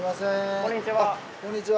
こんにちは。